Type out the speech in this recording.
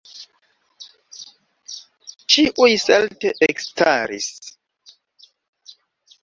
Ĉiuj salte ekstaris.